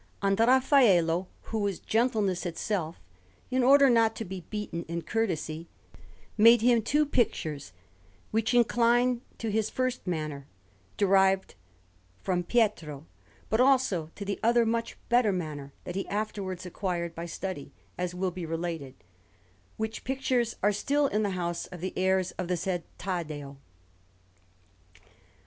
And Raffaello, who was gentleness itself, in order not to be beaten in courtesy, made him two pictures, which incline to his first manner, derived from Pietro, but also to the other much better manner that he afterwards acquired by study, as will be related; which pictures are still in the house of the heirs of the said Taddeo.